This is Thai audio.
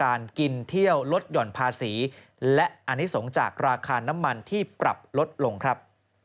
การกินเที่ยวรถหย่อนภาษีและอันนี้ส่งจากราคาน้ำมันที่กลับรถลงครับ